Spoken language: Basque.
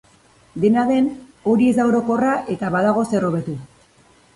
Dena den, hori ez da orokorra eta badago zer hobetu.